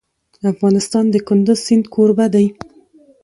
افغانستان د کندز سیند کوربه دی.